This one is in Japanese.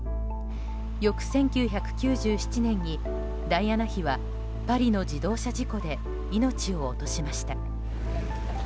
翌１９９７年に、ダイアナ妃はパリの自動車事故で命を落としました。